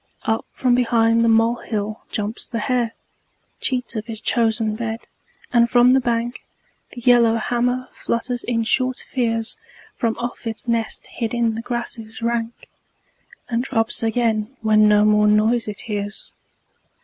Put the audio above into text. Up from behind the molehill jumps the hare, Cheat of his chosen bed, and from the bank The yellowhammer flutters in short fears From off its nest hid in the grasses rank, And drops again when no more noise it hears.